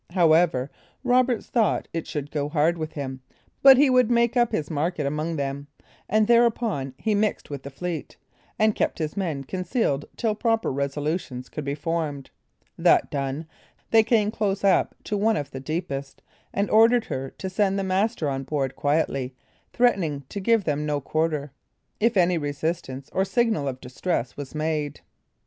However, Roberts thought it should go hard with him but he would make up his market among them, and thereupon he mixed with the fleet, and kept his men concealed till proper resolutions could be formed; that done, they came close up to one of the deepest, and ordered her to send the master on board quietly, threatening to give them no quarter, if any resistance or signal of distress was made.